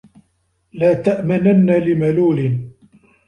لَا تَأْمَنَنَّ لِمَلُولٍ